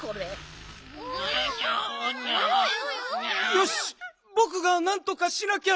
よしぼくがなんとかしなきゃ。